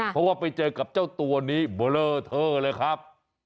เพราะว่าไปเจอกับเจ้าตัวนี้เบลอเทอร์เลยครับ